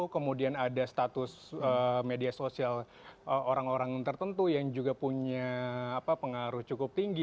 kemudian ada status media sosial orang orang tertentu yang juga punya pengaruh cukup tinggi